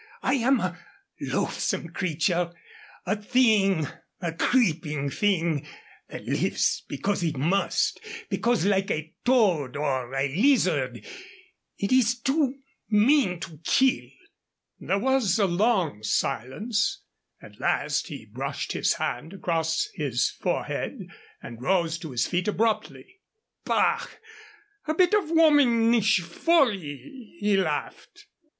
I am a loathsome creature a thing, a creeping thing, that lives because it must, because, like a toad or a lizard, it is too mean to kill." There was a long silence. At last he brushed his hand across his forehead and rose to his feet abruptly. "Bah! a bit of womanish folly!" he laughed.